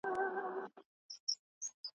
دا عادت یې ټول حرم ته معما وه